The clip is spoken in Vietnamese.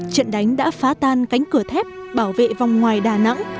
trận đánh đã phá tan cánh cửa thép bảo vệ vòng ngoài đà nẵng